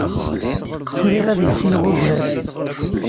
Sriɣ ad issineɣ ugar.